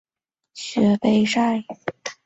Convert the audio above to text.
学坏晒！